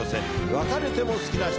『別れても好きな人』。